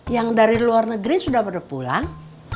yang dari luar negeri sudah berpulang